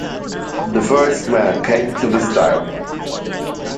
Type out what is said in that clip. The first man came to the stile.